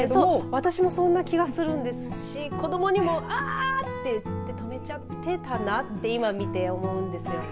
私もそんな気がするんですし子どもにもあーって言って止めちゃってたなって今見て思うんですよね。